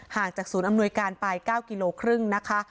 ห่างจากศูนย์อำนวยการปลาย๙กิโลครึ่งนะคะ